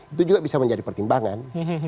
itu juga bisa menjadi pertimbangan